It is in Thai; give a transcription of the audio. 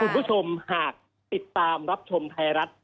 คุณผู้ชมหากติดตามรับชมไทยรัฐ